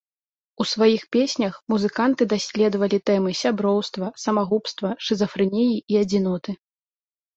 У сваіх песнях музыканты даследавалі тэмы сяброўства, самагубства, шызафрэніі і адзіноты.